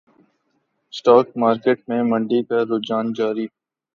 stock market میں مندی کا رجحان جاری